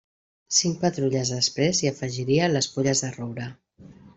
Cinc patrulles després hi afegiria les Fulles de Roure.